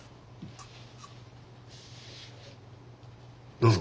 どうぞ。